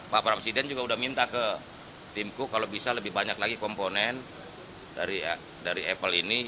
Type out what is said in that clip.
pak presiden juga sudah minta ke timku kalau bisa lebih banyak lagi komponen dari apple ini